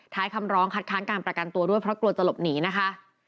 คำร้องคัดค้างการประกันตัวด้วยเพราะกลัวจะหลบหนีนะคะ